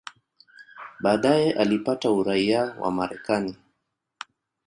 Baadaye alipata uraia wa Marekani.